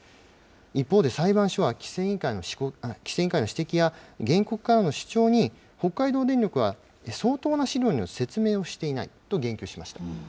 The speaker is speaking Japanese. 一方で、裁判所は規制委員会の指摘や、原告からの主張に、北海道電力は相当な資料による説明をしていないと言及しました。